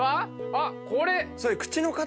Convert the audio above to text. あっこれ。